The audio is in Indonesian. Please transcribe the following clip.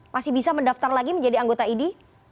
masih bisa mendaftar lagi menjadi anggota idi